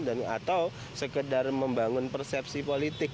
dan atau sekedar membangun persepsi politik